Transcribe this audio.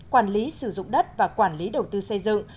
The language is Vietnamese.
quản lý sử dụng đất và quản lý đầu tư xây dựng